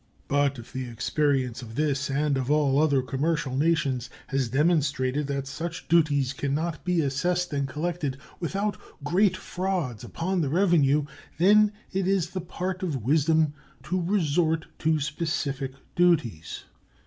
But if the experience of this and of all other commercial nations has demonstrated that such duties can not be assessed and collected without great frauds upon the revenue, then it is the part of wisdom to resort to specific duties.